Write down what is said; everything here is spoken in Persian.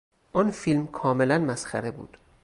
آن فیلم کاملا مسخره بود.